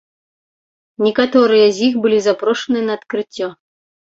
Некаторыя з іх былі запрошаныя на адкрыццё.